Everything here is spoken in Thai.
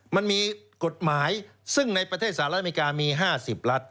มันมีกฎหมายซึ่งในประเทศสหรัฐอเมริกามี๕๐รัฐ